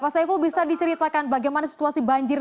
pak saiful bisa diceritakan bagaimana situasi banjir